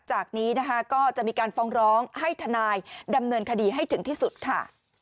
จากนี้นะคะก็จะมีการฟ้องร้องให้ทนายดำเนินคดีให้ถึงที่สุดค่ะ